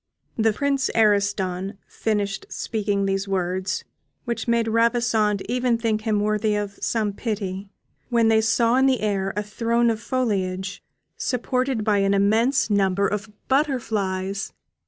The Prince Ariston finished speaking these words, which made Ravissante even think him worthy of some pity, when they saw in the air a throne of foliage, supported by an immense number of butterflies.